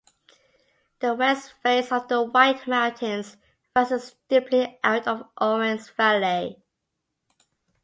The west face of the White Mountains rises steeply out of Owens Valley.